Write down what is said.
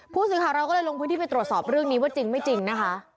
ผู้สื่อข่าวเราก็เลยลงพื้นที่ไปตรวจสอบเรื่องนี้ว่าจริงไม่จริงนะคะ